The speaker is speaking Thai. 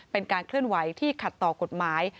เป็นการเคลื่อนไหวที่ขัดต่อกฎหมาย